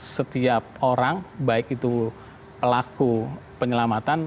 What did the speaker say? setiap orang baik itu pelaku penyelamatan